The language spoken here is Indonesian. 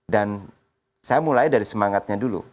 dan saya mulai dari semangatnya dulu